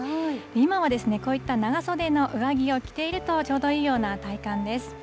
今はこういった長袖の上着を着ているとちょうどいいような体感です。